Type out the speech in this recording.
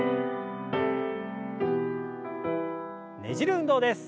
ねじる運動です。